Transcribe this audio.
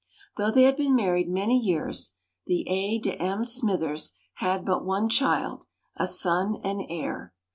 Though they had been married many years, the A. de M. Smythers had but one child a son and heir.